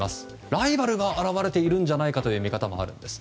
ライバルが現れているんじゃないかという見方もあるんです。